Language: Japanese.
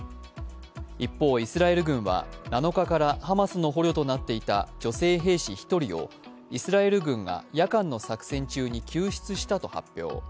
一方、イスラエル軍は７日からハマスの捕虜となっていた女性兵士１人をイスラエル軍が夜間の作戦中に救出したと発表